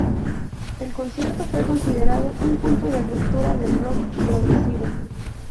El concierto fue considerado un punto de ruptura del rock progresivo.